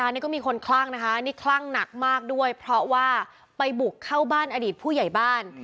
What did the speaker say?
นี่ก็มีคนคลั่งนะคะนี่คลั่งหนักมากด้วยเพราะว่าไปบุกเข้าบ้านอดีตผู้ใหญ่บ้าน